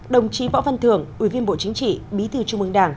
đồng chí võ văn thường ủy viên bộ chính trị bí thư trung ương đảng